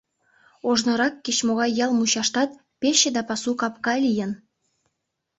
Ожнырак кеч-могай ял мучаштат пече да пасу капка лийын.